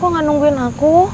kok gak nungguin aku